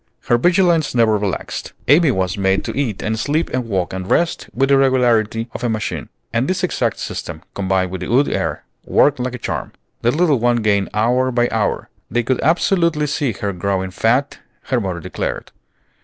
Her vigilance never relaxed. Amy was made to eat and sleep and walk and rest with the regularity of a machine; and this exact system, combined with the good air, worked like a charm. The little one gained hour by hour. They could absolutely see her growing fat, her mother declared.